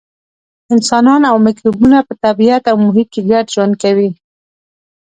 انسانان او مکروبونه په طبیعت او محیط کې ګډ ژوند کوي.